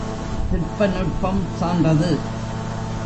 திட்ப நுட்பம் சான்றது.